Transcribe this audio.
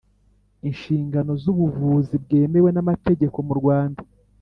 inshingano z ubuvuzi bwemewe n amategeko mu Rwanda